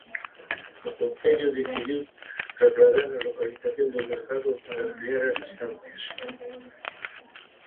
O Concello decidiu trasladar a localización do mercado para ampliar as distancias.